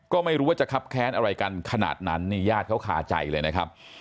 ก็ไม่รู้ว่าจะคับแค้นอะไรกันขนาดนั้นนี่ญาติเขาคาใจเลยนะครับ